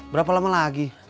berapa lama lagi